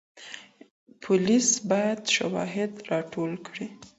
پولیس باید شواهد راټول کړي.